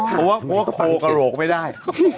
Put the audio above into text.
เพราะว่าโคกระโหลกไม่ได้